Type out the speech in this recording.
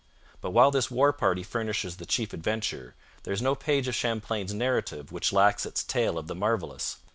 But while this war party furnishes the chief adventure, there is no page of Champlain's narrative which lacks its tale of the marvellous.